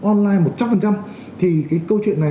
online một trăm linh thì cái câu chuyện này